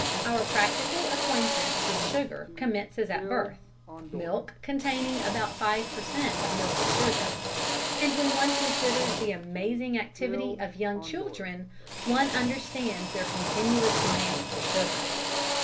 Our practical acquaintance with sugar commences at birth milk containing about 5 per cent. of milk sugar and when one considers the amazing activity of young children one understands their continuous demand for sugar.